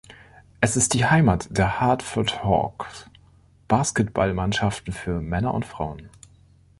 Es ist die Heimat der Hartford Hawks Basketballmannschaften für Männer und Frauen.